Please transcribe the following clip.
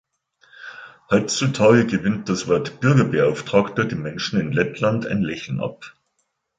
Heutzutage gewinnt das Wort "Bürgerbeauftragter" den Menschen in Lettland ein Lächeln ab.